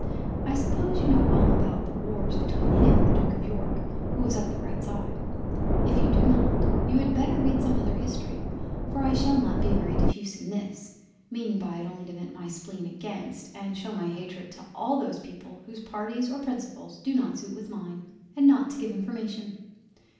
I suppose you know all about the Wars between him and the Duke of York who was of the right side; if you do not, you had better read some other History, for I shall not be very diffuse in this, meaning by it only to vent my spleen against, and shew my Hatred to all those people whose parties or principles do not suit with mine, and not to give information.